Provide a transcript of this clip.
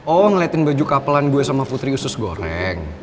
oh ngeliatin baju kapelan gue sama putri usus goreng